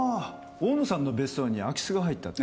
大野さんの別荘に空き巣が入ったって。